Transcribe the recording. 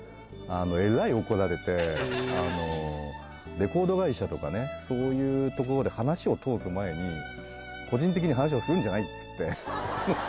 「レコード会社とかねそういうところで話を通す前に個人的に話をするんじゃない！」っつって。